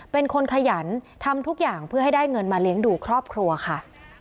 เป็นคนขยันทำทุกอย่างเพื่อให้ได้เงินมาเลี้ยงดูครอบครัวค่ะ